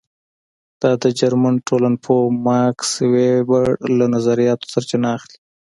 دا د جرمن ټولنپوه ماکس وېبر له نظریاتو سرچینه اخلي.